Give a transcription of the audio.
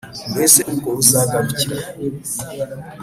mbese ubwo uzagarukira he?!